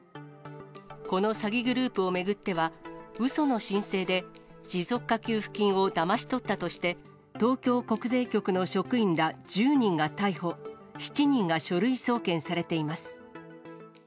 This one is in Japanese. この詐欺グループを巡っては、うその申請で、持続化給付金をだまし取ったとして、東京国税局の職員ら１０人が逮捕、７人が書類送検されています。